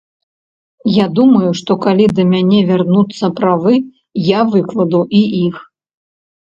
Я думаю, што калі да мяне вярнуцца правы, я выкладу і іх.